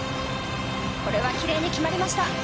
これは奇麗に決まりました。